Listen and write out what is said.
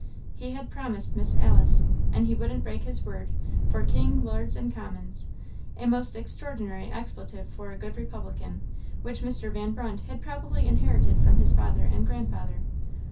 He had promised Miss Alice; and he wouldn't break his word "for king, lords, and commons." A most extraordinary expletive for a good republican which Mr. Van Brunt had probably inherited from his father and grandfather.